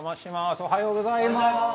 おはようございます。